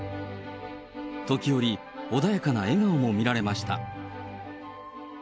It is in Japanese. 時折、穏やかな笑顔も見られました。